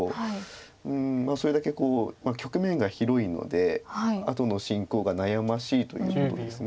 うんそれだけ局面が広いので後の進行が悩ましいということです。